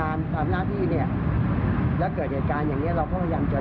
ประกอบกับหลักฐานที่เราได้มา